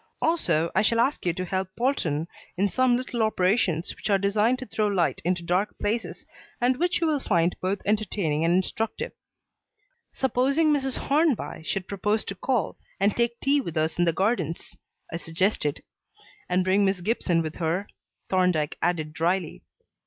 Also I shall ask you to help Polton in some little operations which are designed to throw light into dark places and which you will find both entertaining and instructive." "Supposing Mrs. Hornby should propose to call and take tea with us in the gardens?" I suggested. "And bring Miss Gibson with her?" Thorndyke added dryly.